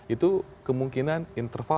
itu kemungkinan interval